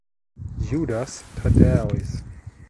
Judas Thaddäus.